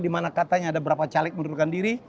di mana katanya ada berapa caleg menurunkan diri